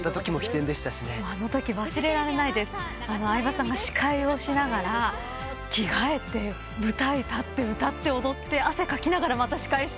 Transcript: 相葉さんが司会をしながら着替えて舞台立って歌って踊って汗かきながらまた司会して。